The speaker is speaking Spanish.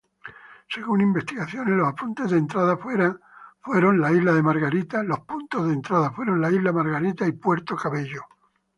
Según investigaciones, los puntos de entrada fueron la Isla de Margarita y Puerto Cabello.